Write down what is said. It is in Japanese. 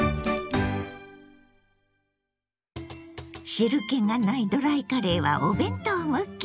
汁けがないドライカレーはお弁当向き。